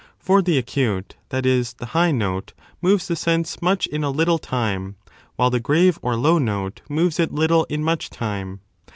For the acute, that is, the high, note moves the sense much in a little time, while the grave or low note moves it little in much time.